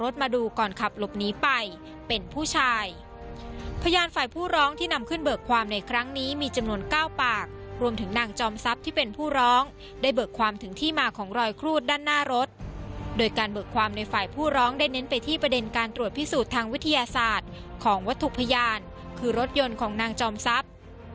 ถึงที่มาของรอยครูดด้านหน้ารถโดยการเบิกความในฝ่ายผู้ร้องได้เน้นไปที่ประเด็นการตรวจพิสูจน์ทางวิทยาศาสตร์ของวัตถุพยานคือรถยนต์ของนางจอมทรัพย์